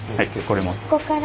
ここから？